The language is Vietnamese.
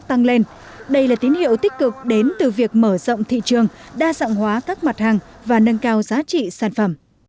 tăng lên đây là tín hiệu tích cực đến từ việc mở rộng thị trường đa dạng hóa các mặt hàng và nâng cao giá trị sản phẩm